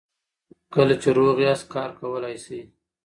کله چې روغ یاست کار کولی شئ.